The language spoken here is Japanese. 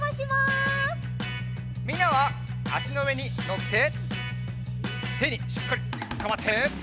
みんなはあしのうえにのっててにしっかりつかまって。